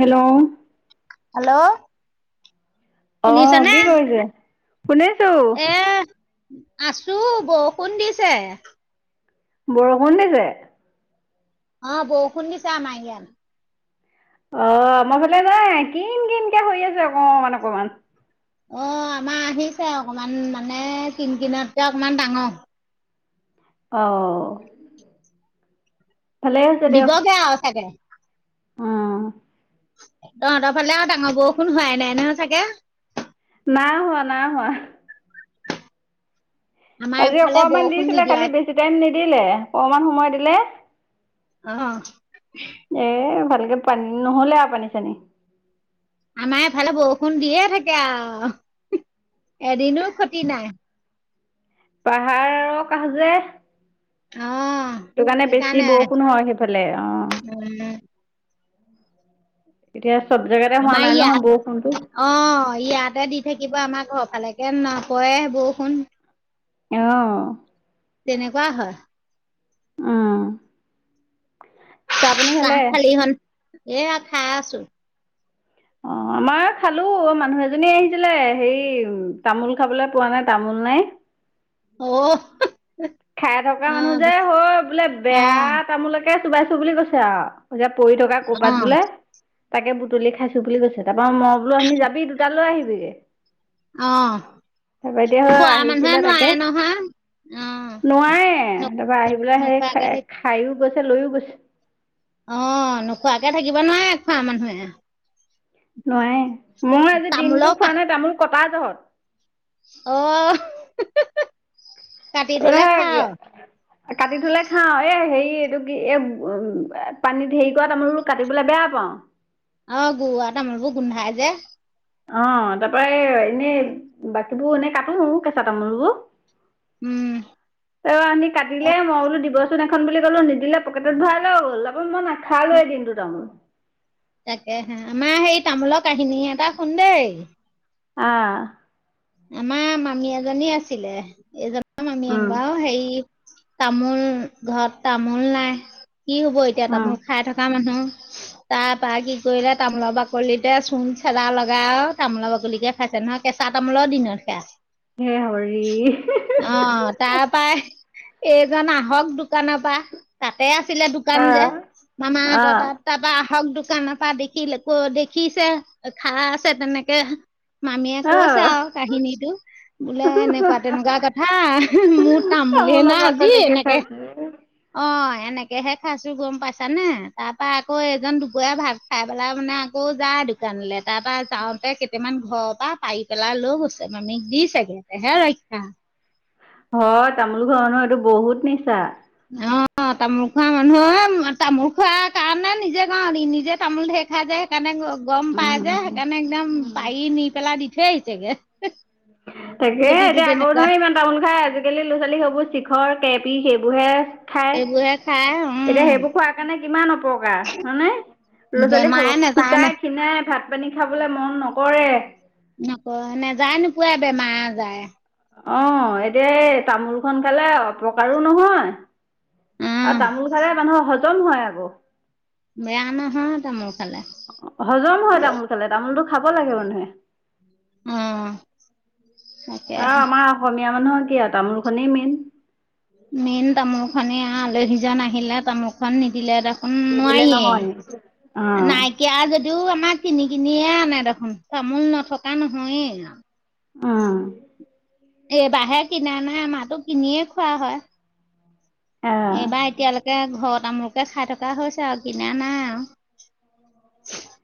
Hello. Hello. অ, শুনিছানে কি কৰিছে? শুনিছো। এ আছো, বৰষুণ দিছে। বৰষুণ দিছে? অ, বৰষুণ দিছে আমাৰ ইয়াত। অ, মই আমাৰ ফালে নাই। কিন কিনকৈ পৰি আছে অকমান অকমান। অ, আমাৰ আহিছে অকমান মানে, কিন কিনটকে অকমান ডাঙৰ অ। ভালেই হৈছে দিয়ক। দিবগে আৰু চাগে। উম। তহঁতৰ ফালে আৰু ডাঙৰ বৰষুণ হোৱাই নাই নহয় চাগে। নাই হোৱা, নাই হোৱা। আমাৰ আজি এইফালে অকণমান বৰষুণ দিছিলে। নিদিয়া কালি বেছি টাইম নিদিলে। অকমান সময় দিলে। অহ। এ ভালকে পানী ন'হলে আৰু পানী-চানী। আমাৰ এফালে বৰষুণ দিয়ে থাকে আৰু। এদিনো ক্ষতি নাই। পাহাৰ আৰু কাষ যে। অ সেইটো কাৰণে বেছি সেইকাৰণে বৰষুণ হয় সেইফালে। অ। উম এতিয়া চব জেগাতে হোৱা আমাৰ নাই নহয় ইয়াত বৰষুণটো। অ, ইয়াতে দি থাকিব। আমাৰ ঘৰফালেকে নপৰে বৰষুণ। অ'। তেনেকুৱা হয়। উম। পানী চাহ খালে? খালী হত? এয়া খাই আছো। অ, আমাৰ খালো। মানুহ এজনী আহিছিলে। হেৰি তামোল খাবলৈ পোৱা নাই, তামোল নাই। অ' [inaudible] খাই থকা মানুহ অ' যে, বিচ- হওঁ বোলে বেয়া অ' তামোলকে চুবাইছোঁ বুলি কৈছে আৰু। তিয়া পৰি থকা ক'বাত অ' বোলে। তাকে বুটলি খাইছো বুলি কৈছে। তাৰ পৰা মই বোলো অথনি যাবি দুটা লৈ আহিবিগে। অ' তাৰপৰা এতিয়া হা আহিছিলে তাকে। হয়। নোৱাৰে। তাৰপৰা আহি পেলাই নোখোৱাকে সেই থাক খাইও গৈছে। লৈও গৈছে। অ নোখোৱাকে থাকিব নোৱাৰে খোৱা মানুহে। নোৱাই মই আজি দিনটো তামোলৰ কা খোৱা নাই তামোল কটা জহত। অ' [inaudible] খাও [unintelligible] কাটি থলে খাওঁ এ হেৰি এইটো কি এ [unintelligible] পানীত হেৰি কৰা তামোল কাটিবলৈ বেয়া পাওঁ। অ গু আ তামোলবোৰ গোন্ধাই যে। অ তাৰ পৰা এ এনে বাকীবোৰ এনেই কাটো কেঁচা তামোলবোৰ। উম অ আমি কাটিলে মই বোলো দিব নুন [inaudible] এখন বুলি ক'লো নিদিলে পকেটত ভৰাই লৈ গ'ল [unintelligible] আকৌ মই নাখালোে দিনটো তামোল। তাকে হা আমাৰ হেই তামোলৰ কাহিনী এটা শুন দেই। অঁ। আমাৰ মামী এজনী আছিলে এজনৰ উম মামিয়েক বাৰু হেৰি তামোল ঘৰত তামোল নাই, কি হ'ব এতিয়া উম তামোল খাই থকা মানুহ তাৰ পৰাৰা কি কৰিলে তামোলা বাকলিতে চূণ [unintelligible] লগা তামোলৰ বাকলিকে খাইছে নহয় কেঁচা ত [inaudible] হে, হৰি হিঃ, হিঃ অ, 'তাৰ পৰা এইজন আহক দোকানৰ পৰা তাতে আছিলে দোকান যে আহ মামাহঁতৰ তাত আহ তাৰপা আহক দোকানৰ পৰা দেখি [unintelligible] খাই আছে তেনেকে মামীয়ে কৈছে আহ আৰু কাহিনীটো বোলে এনেকুৱা তেনেকুৱা কথা মোৰ তামোলহে তামোলৰ না আজি বাকলিকে এনেকে [unintelligible] অ', নেকেহে খাইছো গম পাইছানে নাই? তাৰ পৰা আকৌ এইজন দুপৰীয়া ভাত খাই পেলাই মানে আকৌ যায় দোকানলৈ তাৰ পৰা যাওঁতে কেইটামান ঘৰৰ পৰা পাৰি পেলাই লৈ গৈছে মামীক দিছে গৈ তেহে ৰক্ষা হয়, তামোল ঘৰ ন এইটো বহুত নিচা অ', তামোল খোৱা মানুহ তামোল [unintelligible] সেইকাৰণে গম পাই যে সেইকাৰণে একদম উম। পাৰি নি পেলাই দি থৈ আহিছে গৈ তাকে, এতিয়া আগৰ ধৰি ইমান তামোল খাই আজিকালি ল'ৰা ছোৱালী সেইবোৰ শিখৰ কেপি সেইবোৰ হে খায় এইবোৰহে খাই এতিয়া উম সেইবোৰ খোৱাৰ কাৰণে কিমান অপকাৰ হয়নে? ল'ৰা ছোৱালী বেমাৰে [unintelligible] নেযায় নে শুকাই খীনায় ভাত পানী খাবলৈ মন নকৰে নকয় নে যায় নোপোয়াই বেমাৰ আজায় অ', এতিয়া এই তামোলখন খালে অপকাৰো নহয় উম আৰু তামোল খালে মানুহৰ হজম হয় আকৌ বেয়া নহয়, তামোল খালে হজম হয়, তামোল খালে তামোলটো খাব লাগে মানুহে অ', তাকে আৰু আমাৰ অসমীয়া মানুহৰ কি আৰু তামোলখনেই মেইন মেইন তামোল খনে [unintelligible] আলহীজন আহিলে তামোল খন নিদিলে [unintelligible] উম নিদিলে নহয় নোৱাৰিয়েই অ', নাই কেয়া যদিও আমাৰ কিনি কিনিয়ে আনে দেখোন, তামোল নথকা নহয়েই আৰু উ এইবাহে কিনা নাই, আমাতো কিনিয়ে খোৱা হয় অ', এইবাৰ এতিয়ালৈকে ঘৰ তামোলকে খাই থকা হৈছে আৰু, কিনা নাই আৰু [unintelligible]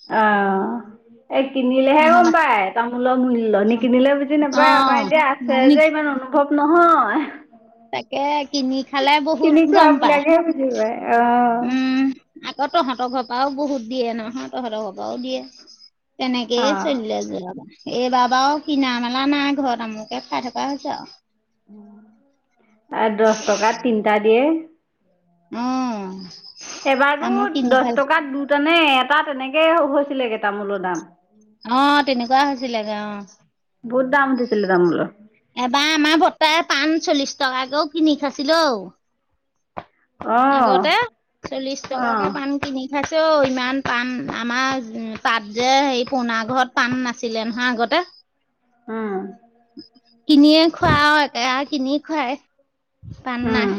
অহ, এ, কিনিলেহে গম নহ'বা পায় তামোলৰ মূল্য, নি কিনিলে বুজি নাপায় আমাৰ অ' এতিয়া আছে যে ইমান অনু [unintelligible] নহয় তাকে, কিনি খালে বহুত গম পায় আহিবাই আহ উম, আকৌ, তহঁতৰ ঘৰ পৰাও বহুত দিয়ে নহয়, তহঁতৰ ঘৰ পৰাও দিয়ে। তেনেকেইে, চলিল অ', আছো যেনিবা। এইবাৰ বাৰু কিনা-মেলা নাই ঘৰত আমকে খাই থকা হৈছে আৰু। আৰু দহ টকাত তিনিটা দিয়ে। উম, এবাৰতো দহ টকাত দুটা নে এটা তেনেকেই হৈছিলেগেই তামোলৰ দাম। অ', তেনেকুৱা হৈছিলে গ অ'। বহুত দাম দিছিলে তামুলৰ। এবাৰ আমাৰ ভটাৰ পাণ চল্লিশ টকাকেও কিনি খাইছিলো। অ', আগতে চল্লিশ টকাকে অ', পান কিনি পাইছে। ইমান পাণ আমাৰ তাত যে সেই পুৰণা ঘৰত পাণ নাছিলে নহয় আগতে। উ' কিনিয়ে খোৱা হয় আৰু একে কিনি খোৱাই। পান উম, নাই,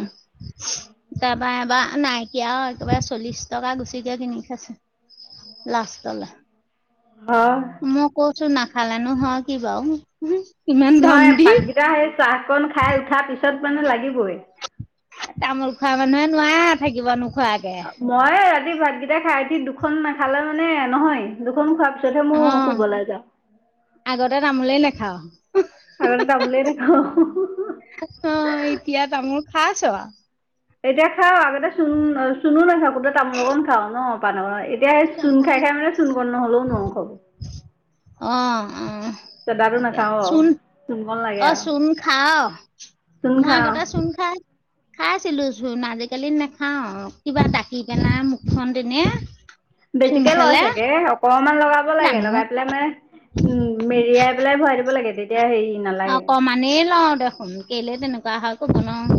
যোৱা বাৰ এবাৰ নাইকিয়া আৰু একেবাৰে চল্লিশ টকা গুচিকে কিনি খাইছো লাষ্টলৈ। হয়। মই কৈছোঁ নাখালে নো হয় কি বাৰু, ইমান দাম নহয় দি। ভাতকেইটা সেই চাহকণ খাই উঠাৰ পিছত মানে লাগিবই। তামোল খোৱা মানুহে নোৱাৰে থাকিব নোখোৱাকে। মই ৰাতি ভাতকেইটা খাই উঠি দুখন নাখালে মানে নহয়। দুখন খোৱাৰ পিছতহে অ মই শুবলে যাওঁ। আগতে তামোলে নেখাও। আগতে তামোলে নাখাওঁ। অ' এতিয়া তামোল খাইছ? এতিয়া খাওঁ আগতে চুণ-চুনো নাখাওঁ আগতে তামোলকণ খাওঁ ন পান এতিয়া চুণ খাই-খাই মানে চুণকণ নহ'লেও নোৱাৰো খাব। অ' অ' চদাটো তাকে নাখাওঁ আৰু চূণ চূণকণ লাগে অ' আৰু চুণ খাৱ? চূণ মই খাওঁ। আগতে চুন খাই খাইছিলো, চুন আজিকালি নাখাওঁ কিবা দাকি পেলাই মুখন তেনেই। বেছিকে লয় চাগে। অকণমান লগাব লাগে। জানো লগাই পেলাই মানে উম' মেৰিয়াই পেলাই ভৰাই দিব লাগে। তেতিয়া হেৰি নালাগে। অকমানেই লওঁ দেখোন কেলে তেনেকুৱা হয় ক'ব নোৱাৰো।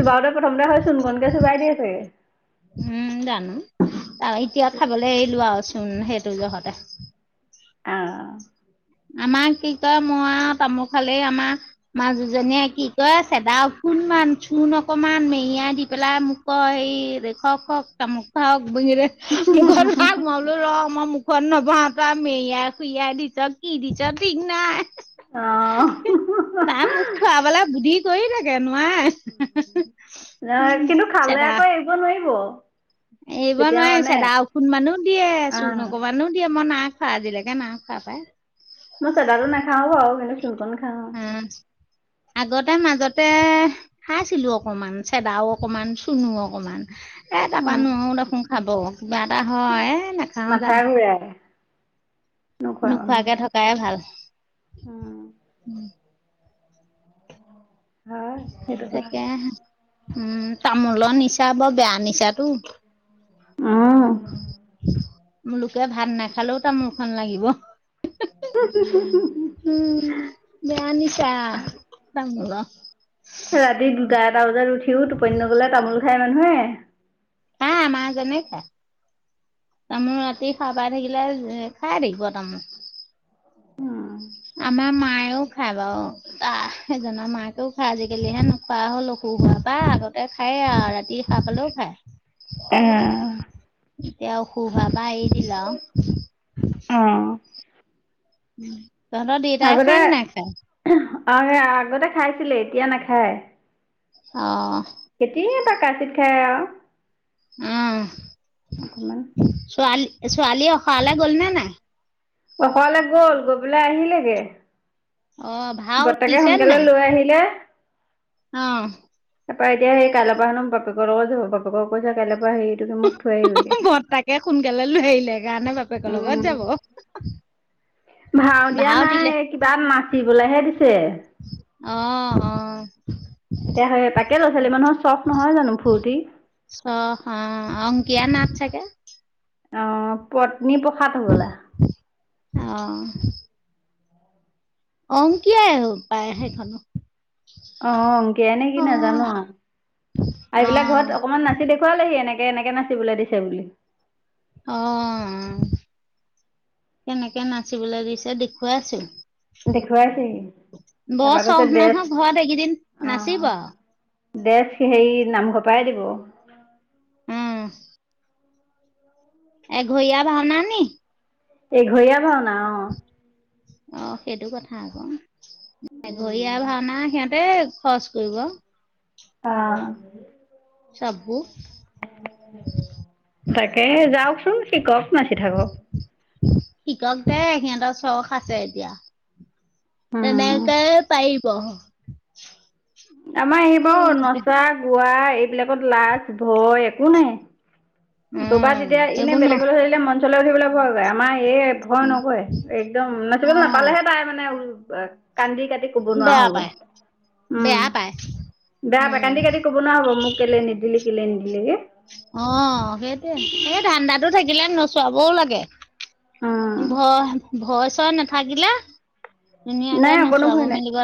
চোবাওঁতে প্ৰথমতে হেই চুনকনকে চোবাই দিয়ে চাগে। উম' জানো এতিয়া খাবলৈ এৰিলো আৰু চুন সেইটো জহতে। অ'। আমাক কি কয় মই আৰু তামোল খালেই আমাৰ মাজুজনীয়ে কি কয চেদা অকন-মান, চূণ অকমান মেৰিয়াই দি পেলাই মোক কয় খুৱাওক খুৱাওক তামোল খুৱাওক বুলিয়ে মুখত ভৰাওক, মই বোলো ৰ মই মুখত নভৰাওঁ তই মেৰিয়াই খুইয়াই দিচ' কি দিছ ঠিক নাই অ'। তাই খোৱাবলে বুদ্ধি কৰি থাকে, নোৱাৰে। ন' উম কিন্তু খালে আকৌ এৰিব নোৱাৰিব। এইব যেতিয়া নোৱাৰি, মানে চেদা অকণ মানো দিয়ে, চূণ অ', অকণ মানো দিয়ে মই না খোৱা আজিলৈকে নাই খোৱা পাই। মই চাদাতো নাখাওঁ বাৰু কিন্তু চূণকন খাওঁ। উম'। আগতে মাজতে খাইছিলো অকমান চেদাও অকমান, চুণু অকমান এ তাৰপৰা উম, নোৱাৰোঁ দেখোন খাব। কিবা এটা হয় এ নাখাওঁ। মাঠাই ঘূৰাই। নোখোৱা মানুহ। নোখোৱাকে থকায়ে ভাল। উম, হয় সেইটো কথা। তাকে উম, তামোলৰ নিচা বৰ বেয়া নিচাটো। অ'। লোকে ভাত নাখালেওঁ তামোলখন লাগিব। [unintelligible] উম, বেয়া নিছা তামোলৰ। ৰাতি দুটা এটা বজাত উঠিওঁ টোপনি নগ'লে তামোল খায় মানুহে। খায় আমাৰ জনে খায়। তামোল ৰাতি সাৰ পাই থাকিলে খাই থাকিব তামোল। উম। আমাৰ মায়েও খায় বাৰু তা সেইজনৰ মাকেওঁ খায়, আজিকালিহে নো পাৰ হ'ল অসুখ হোৱা পা আগতে খায় আৰু ৰাতি সাৰ পালেও খায়। উম, এতিয়া অসুখ হোৱাৰ পা এৰি দিলা আৰু। অ'। তহঁতৰ দেউতাই এ আগতে খাই নে নাখাই? অ, আগতে খাইছিলে, এতিয়া নাখায়। অ, কেতিয়াবা কতচিট খাই আৰু। অ, অকমান ছোৱালী ছোৱালী আসৰালে গ'ল নে নাই? অকলে গ'ল গৈ পেলাই আহিলেগে। অ, ভাও বৰ্তাকে দিছে নে সোনকালে নাই লৈ আহিলে। অ তাই এতিয়া সেই কাইলৈ পৰাহেনো বাপেকৰ লগত যাব, বাপেক কৈছে কাইলৈৰ পৰা হেৰি তুমি মোক থৈ আহিবিগে বৰতাকে সোনকালে লৈ আহিলে, সেই কাৰণে বাপেকৰ লগত যাব। ভাওঁ দিয়া ভাও নাই দিলে কিবা নাচিবলেহে দিছে। অ, অ, এতিয়াহে তাকে ল'ৰাছোৱালী মানুহৰ চ'স নহয় জানো ফূৰ্তি। চ'স, অ, অংকীয়া নাট চাগে। অ, পত্নী প্ৰসাদ সবলা। অ, অংকিয়াই পায় সেইখন। অ, অংকীয়া নে কি নাজানো আৰু। এইবিলাক অ ঘৰত অকমান নাচি দ ো [unintelligible] ৱালেহি এনেকে এনেকে নাচিবলৈ দিছে বুলি। অ, কেনেকে নাচিবলৈ দিছে দেখুৱাইছো। দেখুৱাইছেহি বৰ তাৰপা কৈছে চ'স ড্ৰেছ নহয়, ঘৰত এইকেইদিন নাচিবা। দেচ সেৰি নামঘৰৰ পৰাই দিব। উম, এঘৰীয়া ভাওনা নি। এঘৰীয়া ভাওনা। অ, অ, সেইটো কথা আকৌ এঘৰীয়া ভাওনা সিহঁত। এই, খৰচ কৰিব। অ, চাব তাকে যাওঁকচোন শিকক নাচি থাকক। শিকক দে সিহঁতৰ চখ আছে, এতিয়া। উম, তেনেকে পাৰিব। আমাৰ এই বাৰু নচা, গোৱা এইবিলাকত লাজ- ভয় একো নাই। দোবাত যেতিয়া এনে সেইবোৰ ন বেলেগলৈ ধৰিলে মঞ্চলৈ উঠিবলৈ ভয় কৰে। আমাৰ ই ভয় অ নকৰে একদম নাচিবলৈ নাপালেহে তাই মানে উ কান্দি কাটি। ক'ব নোৱাৰা বেয়া হ'ব। পায় উম, বেয়া পায় বেয়া পায় উম কান্দি কাটি। ক'ব না হ'ব মোক কেলে নিদিলি কেলে নিদিলিকে। অ, সেইটোৱে সেই ধাণ্ডাতো থাকিলে নচোৱাবঁও লাগে। উম ভয়, ভয় চই নাথাকিলে। ধুনীয়াকে নাই অকণো নোচোৱাব ভয় নাই মেলিব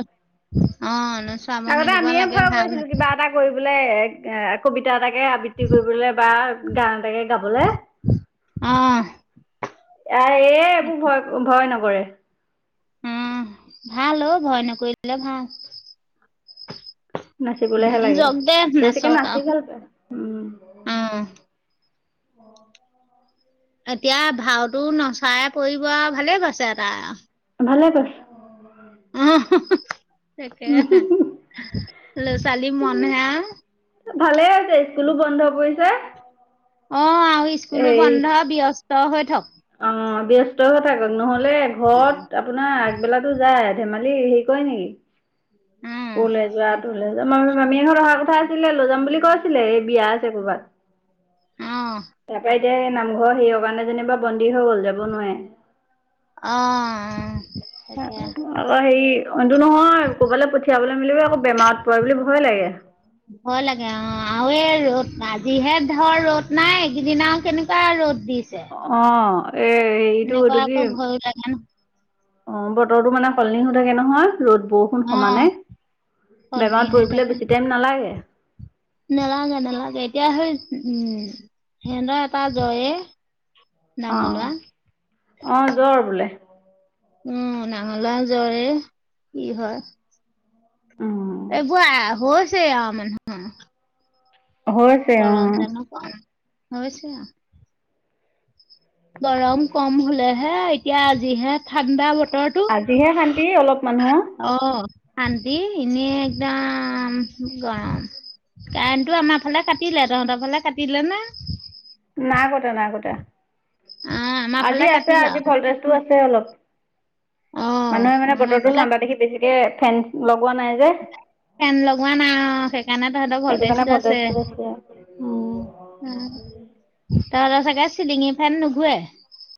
অ, নচোৱ আগতে আমিয়ে ভয় কৰিছিলো কিবা এটা কৰিবলে এ কবিতা এটা। তাকে আবৃত্তি কৰিবলে বা গান এ তাকে গাব'লে। অ, এ, এ, এইবোৰ ভয় ভয় নকৰে। উম, ভাল অ, ভয় নকৰিলে ভাল। নাচিবলেহে লাগে জাওক দেহ বেছিকে নাচক নাচি আৰু ভাল পায় উম অ, এতিয়া ভাওটো নচাই পৰিব আও ভালে পাইছে তাই আওঁ। ভালে কৈছ। অ তাকে ল'ছোৱালী মনহে আও। ভালে আছে স্কুলো বন্ধ পৰিছে। অ আৰু স্কুলো হেৰি বন্ধ ব্যস্ত হৈ থক। অ ব্যস্ত হৈ থাকক নহলে ঘৰত আপ আপোনাৰ আগবেলাতো যায় ধেমালি হেৰি কৰে নেকি উম পৰলে যোৱা তৰলে যোৱা। ম মামী এহত অহা কথা আছিলে লৈ যাম বুলি কৈছিলে এই বিয়া আছে ক'ৰবাত। অ তাৰপৰা এতিয়া এই নামঘৰ সেইৰ কাৰণে যেনিবা বন্দী হৈ গ'ল যাব নোৱাৰে। অ সেইটোয়ে। আকৌ হেৰি অনটো নহয় ক'বালে পঠিয়াবলৈ মেলিবলে আকৌ বেমাৰত পৰে বুলি ভয় লাগে। ভয় লাগে অ আৰু এই ৰ'দ আজিহে ধৰ ৰ'দ নাই এইকেইদিন আও কেনেকুৱা ৰ'দ দিছে। অ এ হেৰিটো এনেকুৱা এইটো কি। আকৌ ভয়ো লাগে অ বতৰটো মানে সলনি হৈ থাকে নহয় ৰ'দ বৰষুণ ন অ সমানে সলনি বেমাৰত পৰিবলৈ বেছি টাইম নালাগে। নেলাগে নেলাগে এতিয়া সেই উম সিহঁতৰ এটা জয়ে। ডাঙৰ লোৱা। অ যৰ বোলে। উম নাঙলা জ্বৰে কি হয়? উম। এইবো আ হছেি আৰু মানুহৰ হৈছে গৰম অঁ দান কম হয় হৈছে আও। গৰম কম হলেহে এতিয়া আজিহে ঠাণ্ডা বতৰতো। আজিহে শান্তি অলপ মানুহৰ। অ শান্ত এনে একদম গৰম। কাৰেণ্টটো আমাৰ ফালে কাটিলে তহঁতৰ ফালে কাটিলেনে? নাই কতা নাই কতা অ আমাৰ আজি ফালে আছে কাটিলে আজি আৰু ভল্টেজটো আছে অলপ। অ মানুহে মানে আমাৰ বতৰটো ফালে ঠাণ্ডা দেখি বেছিকে ফেন লগোৱা নাই যে। ফেন লগোৱা নাই সেইকাৰণে তহঁতৰ সেইটো কাৰণে ভলটেজটো আছে। ভল্টেজটো উম উ তহলে চাগে চিলিঙি ফেন নুঘে।